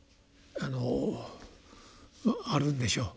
あのあるんでしょう。